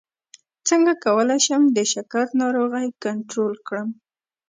څنګه کولی شم د شکر ناروغي کنټرول کړم